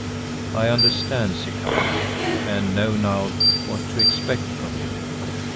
"I understand, Zikali, and know now what to expect from you."